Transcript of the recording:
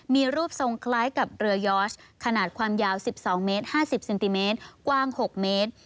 มีรูปทรงคล้ายกับเรือยอร์ชขนาดความยาว๑๒เมตร๕๐เซนติเมตรกว้าง๖เมตร